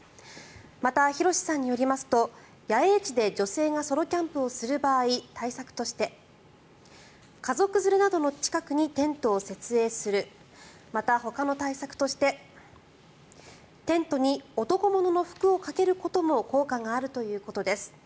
また、ヒロシさんによりますと野営地で女性がソロキャンプをする場合対策として家族連れなどの近くにテントを設営するまた、ほかの対策としてテントに男物の服をかけることも効果があるということです。